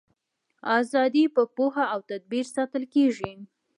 ازادي په پوهه او تدبیر ساتل کیږي.